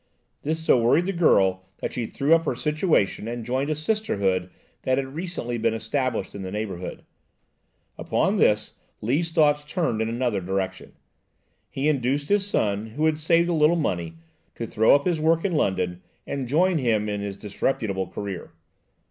This so worried the girl that she threw up her situation and joined a Sisterhood that had recently been established in the neighbourhood. Upon this, Lee's thoughts turned in another direction. He induced his son, who had saved a little money, to throw up his work in London, and join him in his disreputable career.